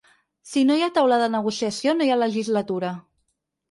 Si no hi ha taula de negociació, no hi ha legislatura.